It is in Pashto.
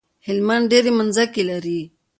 هلمند ډيری مځکی لری